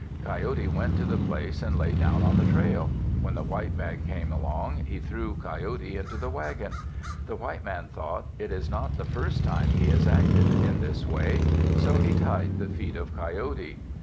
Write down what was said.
Coyote went to the place and lay down in the trail. When the white man came along, he threw Coyote into the wagon. The white man thought, "It is not the first time he has acted in this way," so he tied the feet of Coyote.